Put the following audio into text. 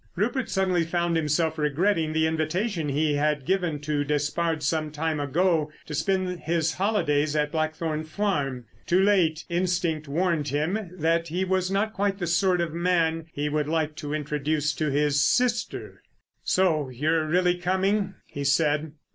Rupert suddenly found himself regretting the invitation he had given to Despard some time ago to spend his holidays at Blackthorn Farm. Too late, instinct warned him that he was not quite the sort of man he would like to introduce to his sister. "So you're really coming?" he said.